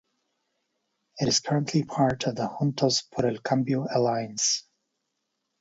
It is currently part of the Juntos por el Cambio alliance.